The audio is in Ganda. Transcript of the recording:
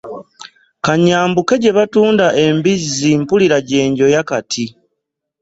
Ka nnyambuke gye batunda embizzi mpulira gye njoya kati.